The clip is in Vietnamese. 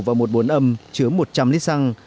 và một bốn âm chứa một trăm linh lít xăng